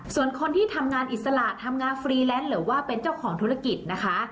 ส่วนคนที่ทำงานอิสระทำงานฟรีแลนซ์หรือว่าเป็นเจ้าของธุรกิจนะคะ